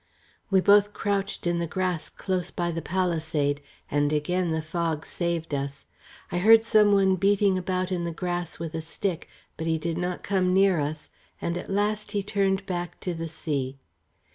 We both crouched in the grass close by the palisade, and again the fog saved us. I heard some one beating about in the grass with a stick, but he did not come near us, and at last he turned back to the sea.